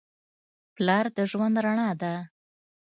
پلار د ژوند رڼا ده.